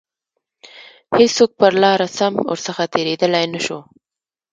هیڅوک پر لاره سم ورڅخه تیریدلای نه شو.